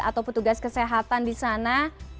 atau petugas kesehatan di sana